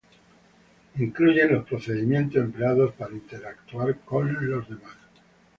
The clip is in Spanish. Incluyen los procedimientos empleados para interactuar con los demás.